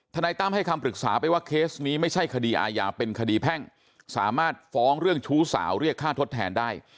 นายตั้มให้คำปรึกษาไปว่าเคสนี้ไม่ใช่คดีอาญาเป็นคดีแพ่งสามารถฟ้องเรื่องชู้สาวเรียกค่าทดแทนได้